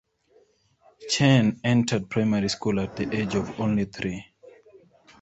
Chen entered primary school at the age of only three.